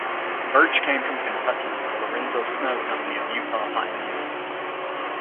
Burch came from Kentucky with the Lorenzo Snow company of Utah pioneers.